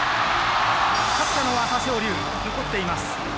勝ったのは朝青龍、残っています。